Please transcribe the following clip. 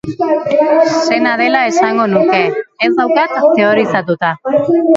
Sena dela esango nuke, ez daukat teorizatuta.